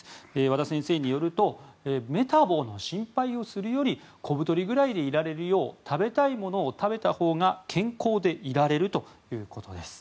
和田先生によるとメタボの心配をするより小太りぐらいでいられるよう食べたいものを食べたほうが健康でいられるということです。